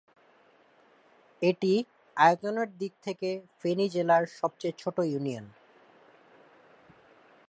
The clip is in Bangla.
এটি আয়তনের দিক থেকে ফেনী জেলার সবচেয়ে ছোট ইউনিয়ন।